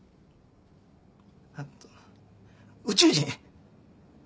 あと宇宙人。